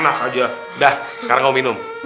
enak aja udah sekarang kamu minum